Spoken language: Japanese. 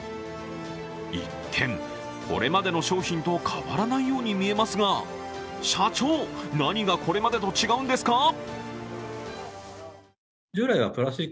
一見、これまでの商品と変わらないように見えますが、社長、何がこれまでと違うんですか？